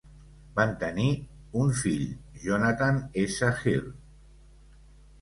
Van tenir un fill, Jonathan S Hill.